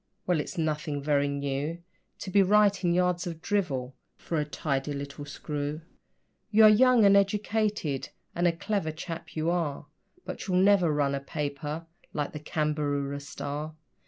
Well, it's nothing very new To be writing yards of drivel for a tidy little screw; You are young and educated, and a clever chap you are, But you'll never run a paper like the CAMBAROORA STAR.